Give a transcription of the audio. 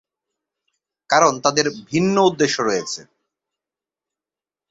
কারণ তাদের ভিন্ন উদ্দেশ্য রয়েছে।